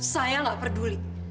saya gak peduli